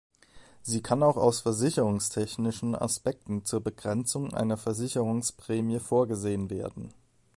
Sie kann auch aus versicherungstechnischen Aspekten zur Begrenzung einer Versicherungsprämie vorgesehen werden.